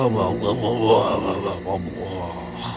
mungkin sedang keluar